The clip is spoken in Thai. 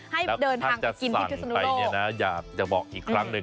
ให้เดินทางกินที่พิษสนุโลกแล้วถ้าจะสั่งไปเนี้ยนะอยากจะบอกอีกครั้งเลย